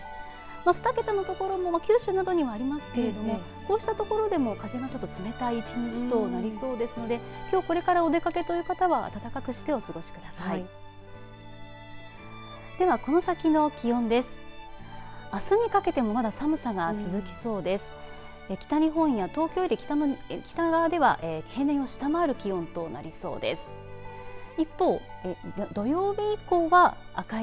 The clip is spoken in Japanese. ２桁の所も九州などにはありますけれどもこうしたところでも風が冷たい１日となりそうですのできょうこれからお出かけの方は暖かくしてお過ごしください。